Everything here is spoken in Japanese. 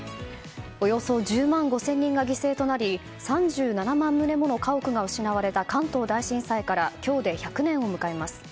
およそ１０万５０００人が犠牲となり３７万棟もの家屋が失われた関東大震災から今日で１００年を迎えます。